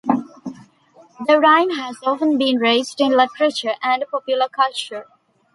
The rhyme has often been raised in literature and popular culture.